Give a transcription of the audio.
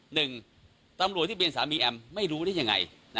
หนึ่งตำรวจที่เป็นสามีแอมไม่รู้ได้ยังไง